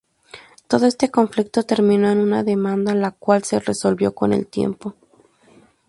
Todo este conflicto terminó en una demanda, la cual se resolvió con el tiempo.